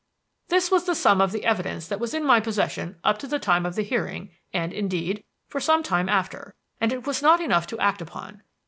"This was the sum of the evidence that was in my possession up to the time of the hearing and, indeed, for some time after, and it was not enough to act upon.